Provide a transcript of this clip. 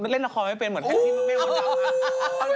เล่นละครไม่ได้เป็นเหมือนแอ้ง